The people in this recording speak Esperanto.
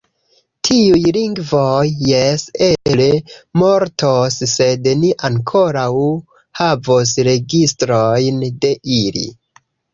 Tiuj lingvoj, jes, eble mortos, sed ni ankoraŭ havos registrojn de ili.